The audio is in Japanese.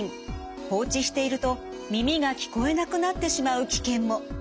放置していると耳が聞こえなくなってしまう危険も。